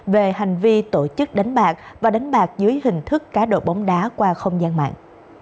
về hành vi tổ chức đánh bạc và đánh bạc dưới hình thức cá độ bóng đá qua không gian mạng